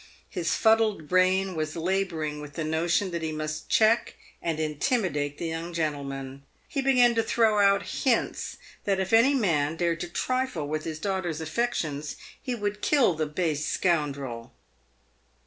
His fuddled brain was labouring with the notion that he must check and intimidate the young gentleman. He began to throw out hints that if any man dared to trifle with his daughter's affec tions, he would kill the base scoundrel.